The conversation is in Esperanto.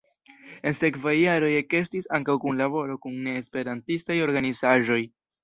En sekvaj jaroj ekestis ankaŭ kunlaboro kun ne-esperantistaj organizaĵoj.